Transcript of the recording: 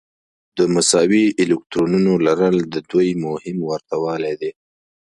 د مساوي الکترونونو لرل د دوی مهم ورته والی دی.